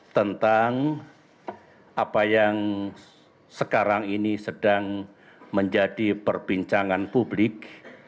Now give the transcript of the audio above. tentang apa yang sekarang ini sedang menjadi perbincangan publik